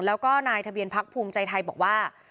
แล้วก็นายทะเบียนพักภูมิใจไทยบอกว่า